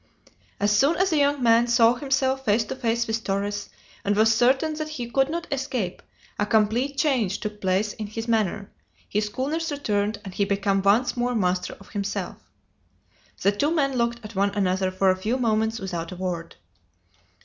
As soon as the young man saw himself face to face with Torres, and was certain that he could not escape, a complete change took place in his manner, his coolness returned, and he became once more master of himself. The two men looked at one another for a few moments without a word.